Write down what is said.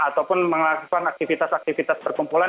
ataupun melakukan aktivitas aktivitas perkumpulan